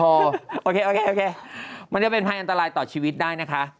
โอเคโอเคมันจะเป็นภัยอันตรายต่อชีวิตได้นะคะ